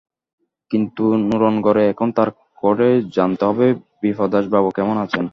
কিন্তু নুরনগরে এখনই তার করে জানতে হবে বিপ্রদাসবাবু কেমন আছেন।